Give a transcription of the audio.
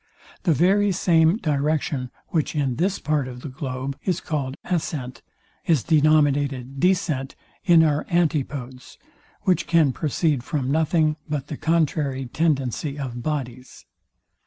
The very same direction, which in this part of the globe is called ascent, is denominated descent in our antipodes; which can proceed from nothing but the contrary tendency of bodies.